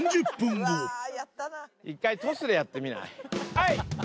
はい！